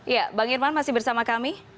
iya bang irman masih bersama kami